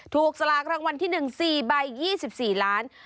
สลากรางวัลที่๑๔ใบ๒๔ล้าน